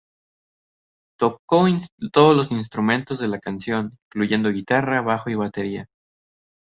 Tocó todos los instrumentos de la canción, incluyendo guitarra, bajo y batería.